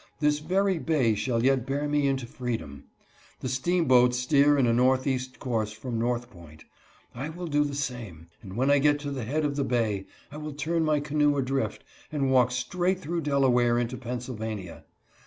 This very bay shall yet bear me into freedom. Tho steamboats steer in a northeast course from North Point ; I will do the same ; and when I get to the head of the bay , I will turn my canoe adrift, and walk straight through Delaware into Pennsylvania.